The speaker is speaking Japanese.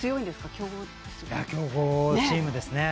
強豪チームですね。